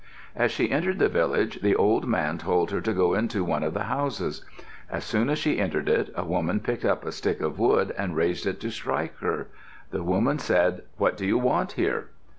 As she entered the village, the old man told her to go into one of the houses. As soon as she entered it, a woman picked up a stick of wood and raised it to strike her. The woman said, "What do you want here?"